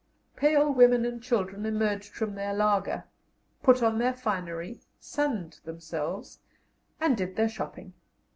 Pale women and children emerged from their laager, put on their finery, sunned themselves, and did their shopping.